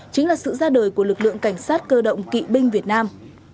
chính là sự ra đời của lực lượng cảnh sát cơ động kỵ binh việt nam